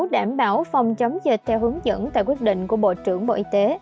đảm bảo phòng chống dịch theo hướng dẫn tại quyết định của bộ trưởng bộ y tế